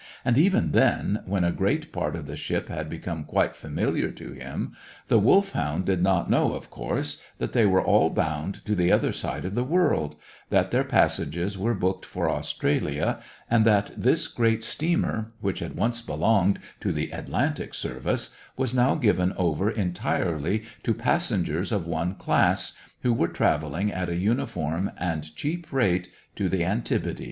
And even then, when a good part of the ship had become quite familiar to him, the Wolfhound did not know, of course, that they were all bound to the other side of the world, that their passages were booked for Australia, and that this great steamer, which had once belonged to the Atlantic service, was now given over entirely to passengers of one class, who were travelling at a uniform and cheap rate to the Antipodes.